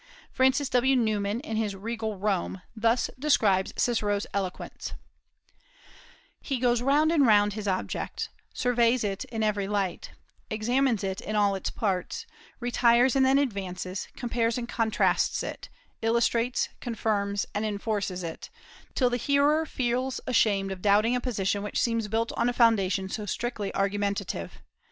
Francis W. Newman, in his "Regal Rome," thus describes Cicero's eloquence: "He goes round and round his object, surveys it in every light, examines it in all its parts, retires and then advances, compares and contrasts it, illustrates, confirms, and enforces it, till the hearer feels ashamed of doubting a position which seems built on a foundation so strictly argumentative.